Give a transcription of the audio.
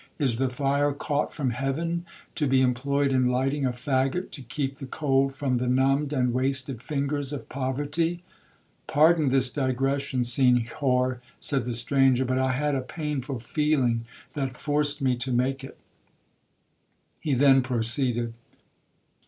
Is the fire caught from heaven to be employed in lighting a faggot to keep the cold from the numbed and wasted fingers of poverty? Pardon this digression, Senhor,' said the stranger, 'but I had a painful feeling, that forced me to make it.' He then proceeded.